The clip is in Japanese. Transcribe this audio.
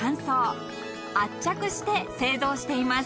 ［圧着して製造しています］